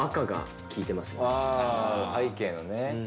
背景のね。